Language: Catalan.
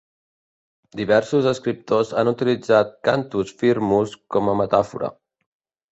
Diversos escriptors han utilitzat "cantus firmus" com a metàfora.